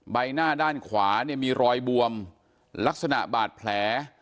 ใบหน้าด้านขวาเนี่ยมีรอยบวมลักษณะบาดแผล